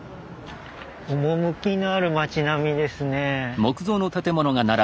趣きのある町並みですね。